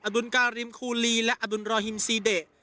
ดุลการินคูลีและอดุลรอฮิมซีเด